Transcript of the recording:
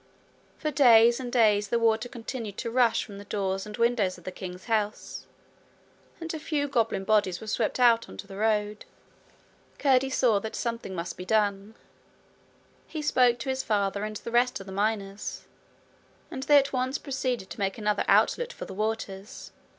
For days and days the water continued to rush from the doors and windows of the king's house, and a few goblin bodies were swept out into the road. Curdie saw that something must be done. He spoke to his father and the rest of the miners, and they at once proceeded to make another outlet for the waters.